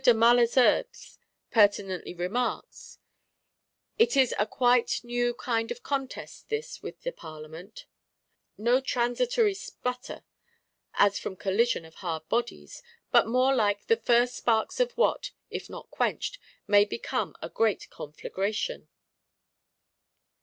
de Malesherbes pertinently remarks, 'it is a quite new kind of contest this with the Parlement:' no transitory sputter, as from collision of hard bodies; but more like 'the first sparks of what, if not quenched, may become a great conflagration.